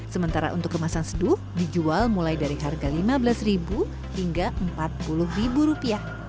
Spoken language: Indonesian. sementara untuk kemasan sedut dijual mulai dari harga rp lima belas hingga rp empat puluh